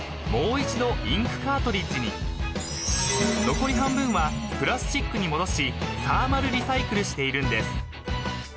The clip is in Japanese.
［残り半分はプラスチックに戻しサーマルリサイクルしているんです］